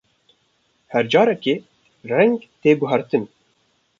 Her carekê, reng tê guhertin.